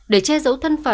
để che giấu thân phụ